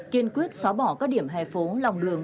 kiên quyết xóa bỏ các điểm hè phố lòng đường